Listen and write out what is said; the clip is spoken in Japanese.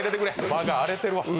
場が荒れてるわ。